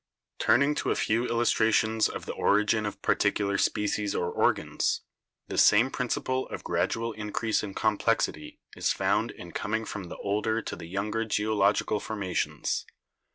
Turning to a few illustrations of the origin of par ticular species or organs, the same principle of gradual increase in complexity is found in coming from the older to the younger geological formations.